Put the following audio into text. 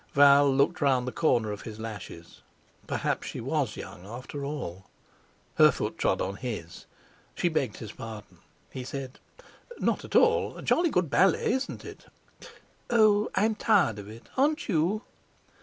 Val looked round the corner of his lashes. Perhaps she was young, after all. Her foot trod on his; she begged his pardon. He said: "Not at all; jolly good ballet, isn't it?" "Oh, I'm tired of it; aren't you?"